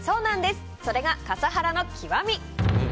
それが笠原の極み。